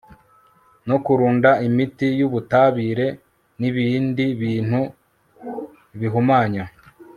no kurunda imiti y ubutabire n ibindi bintu bihumanya